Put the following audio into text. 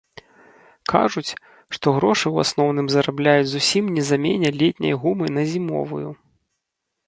Кажуць, што грошы ў асноўным зарабляюць зусім не замене летняй гумы на зімовую.